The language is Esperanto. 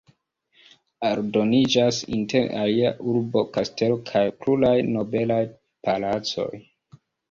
Aldoniĝas inter alie urba kastelo kaj pluraj nobelaj palacoj.